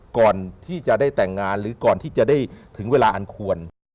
ก่อนที่จะได้แต่งงานหรือก่อนที่จะได้ถึงเวลาอันควร